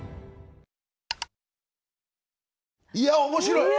いや面白い！